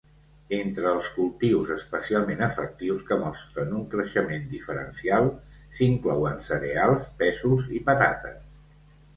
Entre els cultius especialment efectius que mostren un creixement diferencial s'inclouen cereals, pèsols i patates.